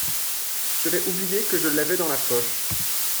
J’avais oublié que je l’avais dans la poche.